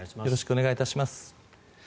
よろしくお願いします。